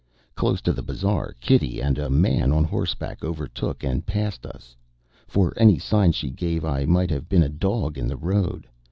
Close to the bazar, Kitty and a man on horseback overtook and passed us. For any sign she gave I might have been a dog in the road.